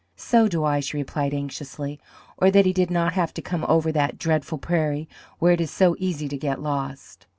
"So do I," she replied anxiously, "or that he did not have to come over that dreadful prairie, where it is so easy to get lost."